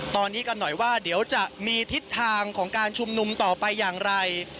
ตอนนี้กันหน่อยว่าเดี๋ยวจะมีทิศทางของการชุมนุมต่อไปอย่างไร